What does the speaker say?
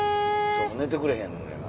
寝てくれへんのよ。